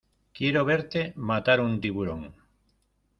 quiero verte matar un tiburón.